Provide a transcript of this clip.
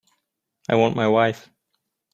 I want my wife.